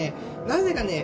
なぜかね